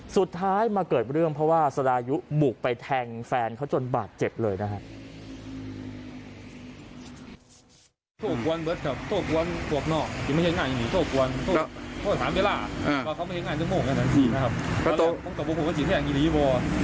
สุดท้ายมาเกิดเรื่องเพราะว่าสดายุบุกไปแทงแฟนเขาจนบาดเจ็บเลยนะครับ